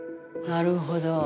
なるほど。